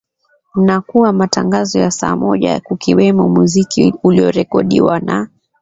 na kuwa matangazo ya saa moja kukiwemo muziki uliorekodiwa na